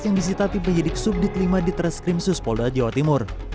yang disitati penyidik subdit lima di tereskrim sus polda jawa timur